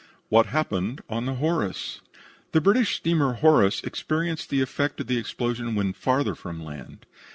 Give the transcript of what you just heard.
WHAT HAPPENED ON THE "HORACE" The British steamer Horace experienced the effect of the explosion when farther from land.